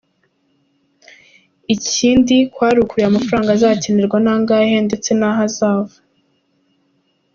Ikindi kwari ukureba amafaranga azakenerwa ari angahe ndetse n’aho azava.